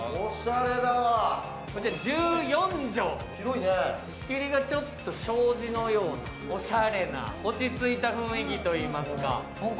１４畳、仕切りがちょっと障子のようなおしゃれな、落ち着いた雰囲気。